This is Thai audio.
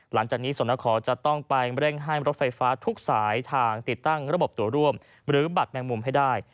หลังจากนี้สนขอจะต้องไปเร่งให้รถไฟฟ้าทุกสายทางติดตั้งระบบตัวร่วมหรือบัตรแมงมุมให้ได้